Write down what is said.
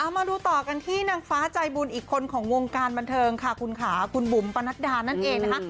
มาดูต่อกันที่นางฟ้าใจบุญอีกคนของวงการบันเทิงค่ะคุณค่ะคุณบุ๋มปะนัดดานั่นเองนะคะ